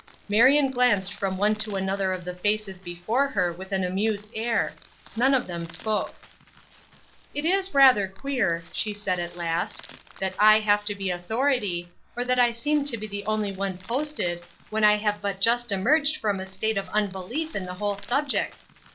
Marion glanced from one to another of the faces before her with an amused air; none of them spoke. "It is rather queer," she said, at last, "that I have to be authority, or that I seem to be the only one posted, when I have but just emerged from a state of unbelief in the whole subject.